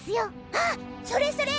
あそれそれ。